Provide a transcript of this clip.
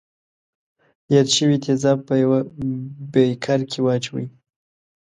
یاد شوي تیزاب په یوه بیکر کې واچوئ.